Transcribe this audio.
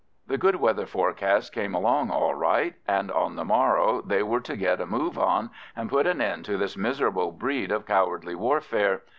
The good weather forecast came along all right, and on the morrow they were to get a move on and put an end to this miserable breed of cowardly warfare.